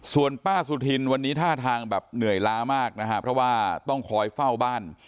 ส่วนป้าสุธินวันนี้ท่าทางแบบเหนื่อยล้ามากนะฮะเพราะว่าต้องคอยเฝ้าบ้าน